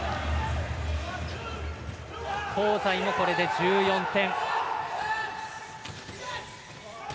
香西もこれで１４点。